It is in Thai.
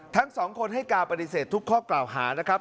ทั้งสองคนให้การปฏิเสธทุกข้อกล่าวหานะครับ